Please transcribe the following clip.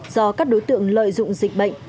do các đối tượng lợi dụng dịch bệnh